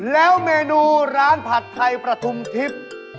แล้วเมนูร้านผัดไทประธุมธิป